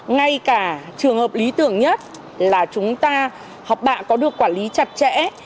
ngay cả trường hợp lý tưởng nhất là chúng ta học bạ có được quản lý chặt chẽ